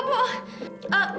bu bu bentar ya